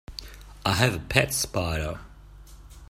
I have a pet spider.